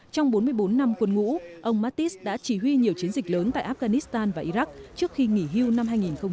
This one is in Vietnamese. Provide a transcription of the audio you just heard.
trong bốn mươi bốn năm quân ngũ ông mattis đã chỉ huy nhiều chiến dịch lớn tại afghanistan và iraq trước khi nghỉ hưu năm hai nghìn một mươi chín